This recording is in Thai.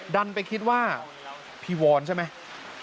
ดันไปคิดว่าพี่วรใช่ไหม